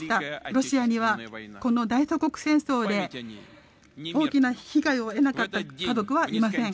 ロシアにはこの大祖国戦争で大きな被害を得なかった家族はいません。